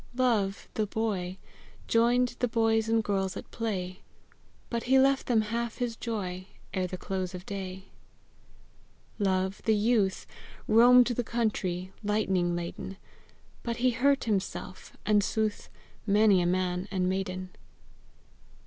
Love, the boy, Joined the boys and girls at play; But he left them half his joy Ere the close of day. Love, the youth, Roamed the country, lightning laden; But he hurt himself, and, sooth, Many a man and maiden!